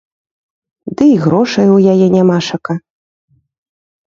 Ды і грошай у яе нямашака.